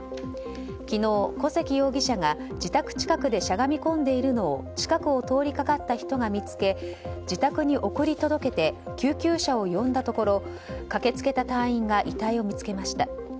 昨日、小関容疑者が自宅近くでしゃがみ込んでいるのを近くを通りかかった人が見つけ自宅に送り届けて救急車を呼んだところ駆け付けた隊員が遺体を見つけました。